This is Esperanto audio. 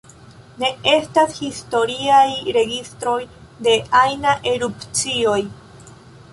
Ne estas historiaj registroj de ajna erupcio.